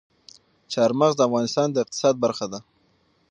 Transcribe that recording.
چار مغز د افغانستان د اقتصاد برخه ده.